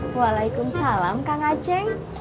waalaikumsalam kang ajeng